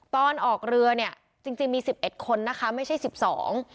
ตอนออกเรือเนี่ยจริงจริงมีสิบเอ็ดคนนะคะไม่ใช่สิบสอง